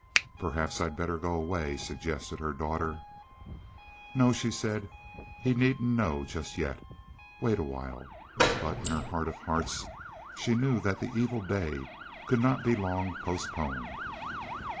"Perhaps I'd better go away," suggested her daughter. "No," she said; "he needn't know just yet. Wait awhile." But in her heart of hearts she knew that the evil day could not be long postponed.